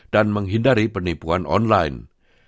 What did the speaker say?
dan menghindari penipuan online